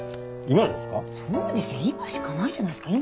今しかないじゃないですか。